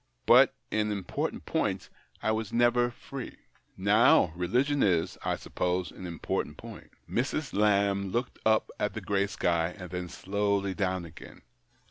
But in important points I was never free. Now, religion is, I suppose, an important point." Mrs. Lamb looked up at the grey sky, and then slowly down again.